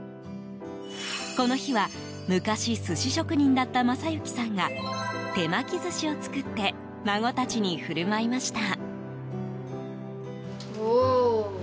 この日は昔、寿司職人だった正幸さんが手巻き寿司を作って孫たちに振る舞いました。